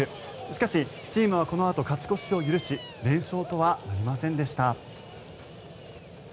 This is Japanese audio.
しかし、チームはこのあと勝ち越しを許し連勝とはなりませんでした。